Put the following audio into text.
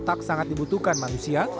otak sangat dibutuhkan manusia